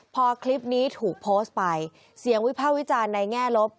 พอคลิปนี้ถูกโพสต์ไปเสียงวิภาควิจารณ์ในแง่ลบ